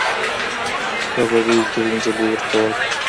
په بديو کي د نجلۍ ورکول